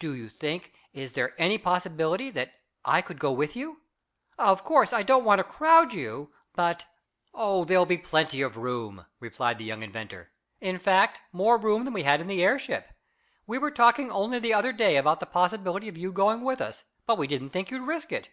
Do you think is there any possibility that I could go with you? Of course, I don't want to crowd you, but " "Oh, there'll be plenty of room," replied the young inventor. "In fact, more room than we had in the airship. We were talking only the other day about the possibility of you going with us, but we didn't think you'd risk it."